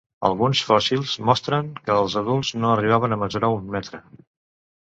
Alguns fòssils mostren que els adults no arribaven a mesurar un metre.